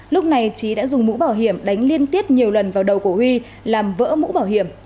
lúc này trí đã dùng mũ bảo hiểm đánh liên tiếp nhiều lần vào đầu của huy làm vỡ mũ bảo hiểm